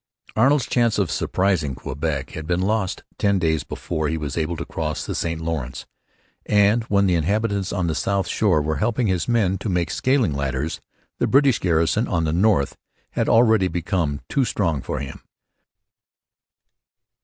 Arnold's chance of surprising Quebec had been lost ten days before he was able to cross the St Lawrence; and when the habitants on the south shore were helping his men to make scaling ladders the British garrison on the north had already become too strong for him.